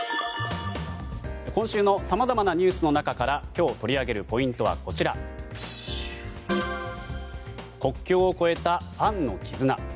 今週のさまざまなニュースの中から今日、取り上げるポイントは国境を越えたファンの絆。